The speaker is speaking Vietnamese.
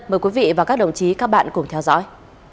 mời quý vị và các đồng chí các bạn cùng theo dõi